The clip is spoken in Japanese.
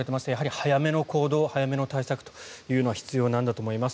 早めの行動早めの対策というのは必要なんだと思います。